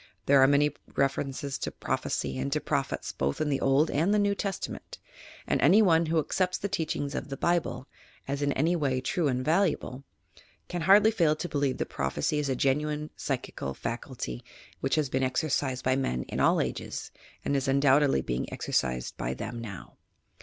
There are many references to prophecy and to prophets both in the Old and the New Testament, and any one who accepts the teachings of the Bible, as in any way true and valuable, can hardly fail to believe that prophecy is a genuine psychical faculty which has been exercised by men in all ages and is undoubtedly being exerci sed by them now.